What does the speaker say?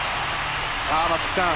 さあ松木さん